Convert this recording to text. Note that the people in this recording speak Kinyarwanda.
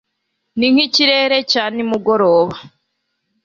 ni nkikirere cya nimugoroba